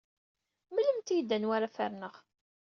Mlemt-iyi-d anwa ara ferneɣ.